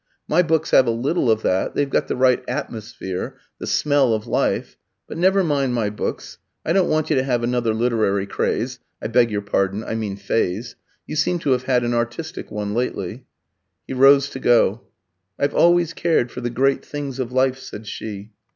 My books have a little of that; they've got the right atmosphere, the smell of life. But never mind my books. I don't want you to have another literary craze I beg your pardon, I mean phase; you seem to have had an artistic one lately." He rose to go. "I've always cared for the great things of life," said she.